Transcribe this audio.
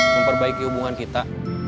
memperbaiki hubungan kita